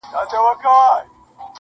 درد او غم به مي سي هېر ستا له آوازه.!